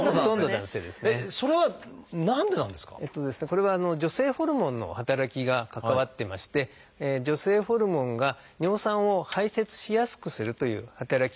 これは女性ホルモンの働きが関わってまして女性ホルモンが尿酸を排せつしやすくするという働きがあるんですね。